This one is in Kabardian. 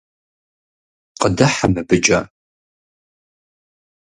Къыдыхьэ мыбыкӀэ.